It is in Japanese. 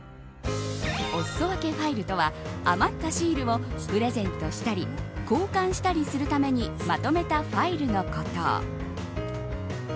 おすそ分けファイルとは余ったシールをプレゼントしたり交換したりするためにまとめたファイルのこと。